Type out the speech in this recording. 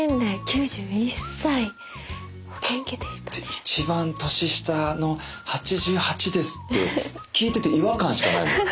「一番年下の８８です」って聞いてて違和感しかないもん。